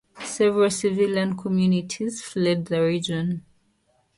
Several civilian communities fled the region.